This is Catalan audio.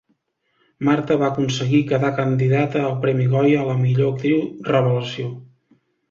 Marta va aconseguir quedar candidata al Premi Goya a la millor actriu revelació.